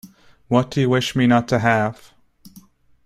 What do you wish me not to have?